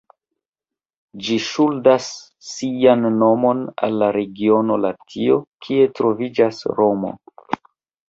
Ĝi ŝuldas sian nomon al la regiono Latio, kie troviĝas Romo.